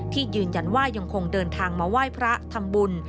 ยืนยันว่ายังคงเดินทางมาไหว้พระทำบุญ